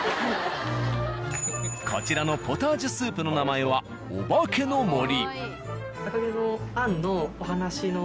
こちらのポタージュスープの名前はお化けの森。